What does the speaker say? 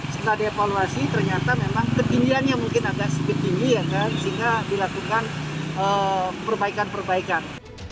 setelah dievaluasi ternyata memang keginginannya mungkin ada speed gini ya kan sehingga dilakukan perbaikan perbaikan